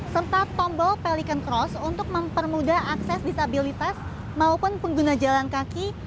serta tombol pelikan cross untuk mempermudah akses disabilitas maupun pengguna jalan kaki